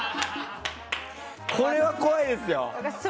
これは怖いですよ。